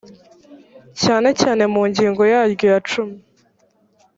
cyane cyane mu ngingo yaryo ya cumi